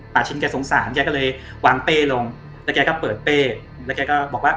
ชินแกสงสารแกก็เลยวางเป้ลงแล้วแกก็เปิดเป้แล้วแกก็บอกว่า